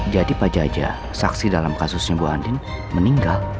jadi pak jajah saksi dalam kasusnya bu andin meninggal